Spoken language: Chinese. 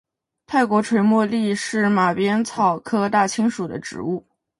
泰国垂茉莉是马鞭草科大青属的植物。